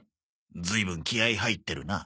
ずいぶん気合入ってるな。